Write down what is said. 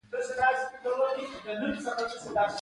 استبداد کول نظام ړنګوي